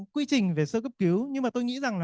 quy trình về sơ cấp cứu nhưng mà tôi nghĩ rằng là